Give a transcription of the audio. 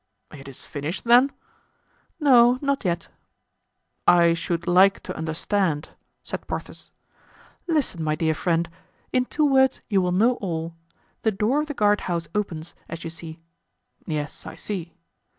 "It is finished, then?" "No, not yet." "I should like to understand," said Porthos. "Listen, my dear friend; in two words you will know all. The door of the guardhouse opens, as you see." "Yes, I see."